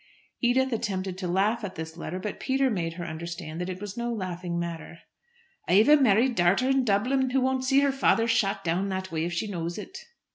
Edith attempted to laugh at this letter, but Peter made her understand that it was no laughing matter. "I've a married darter in Dublin who won't see her father shot down that way if she knows it."